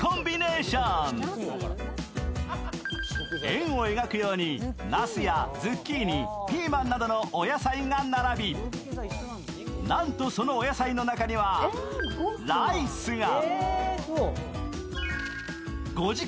円を描くようになすやズッキーニ、ピーマンなどのお野菜が並びなんとそのお野菜の中にはライスが。